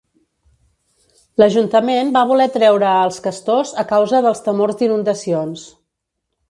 L'ajuntament va voler treure als castors a causa dels temors d'inundacions.